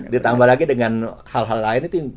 ditambah lagi dengan hal hal lain itu